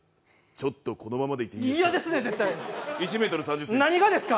ちょっとこのままでいて、いいですか。